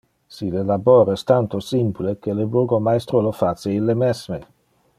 Si le labor es tanto simple, que le burgomaestro lo face ille mesme.